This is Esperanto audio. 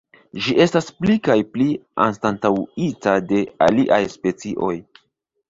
Ĝi estas pli kaj pli anstataŭita de aliaj specioj.